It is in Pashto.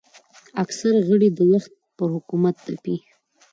اکثره غړي د وخت پر حکومت تپي